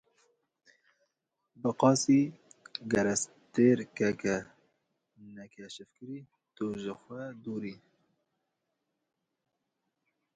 Bi qasî gerestêrkeke nekeşifkirî, tu ji xwe dûr î.